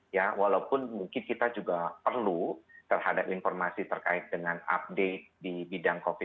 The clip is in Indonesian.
ya walaupun mungkin kita juga perlu terhadap informasi terkait dengan update di bidang covid sembilan belas